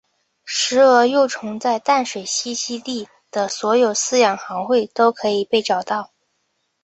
石蛾幼虫在淡水栖息地的所有饲养行会都可以被找到。